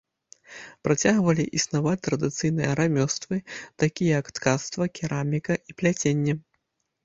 Працягвалі існаваць традыцыйныя рамёствы, такія як ткацтва, кераміка і пляценне.